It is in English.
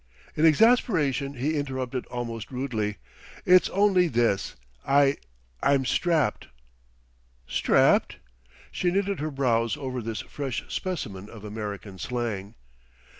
In exasperation he interrupted almost rudely. "It's only this: I I'm strapped." "Strapped?" She knitted her brows over this fresh specimen of American slang.